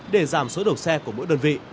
để giảm số đổ xe của mỗi đơn vị